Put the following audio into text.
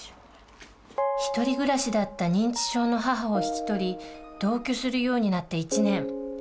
１人暮らしだった認知症の母を引き取り同居するようになって１年。